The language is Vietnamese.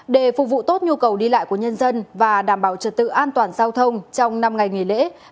để phục vụ tốt nhu cầu đi lại của nhân dân và đảm bảo trật tự an toàn giao thông trong năm ngày nghỉ lễ